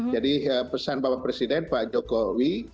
jadi pesan bapak presiden pak jokowi